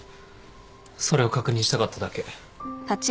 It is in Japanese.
それを確認したかっただけ。